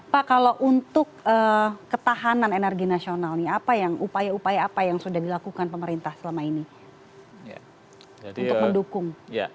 pak kalau untuk ketahanan energi nasional upaya upaya apa yang sudah dilakukan pemerintah selama ini